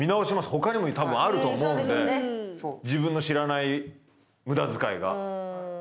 他にも多分あると思うので自分の知らない無駄遣いが。